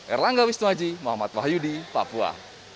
erlangga wisnuaji muhammad wahyudi papua